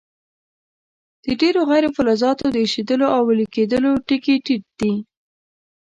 د ډیرو غیر فلزاتو د ایشېدلو او ویلي کیدلو ټکي ټیټ دي.